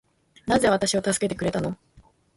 なぜ私を助けてくれたの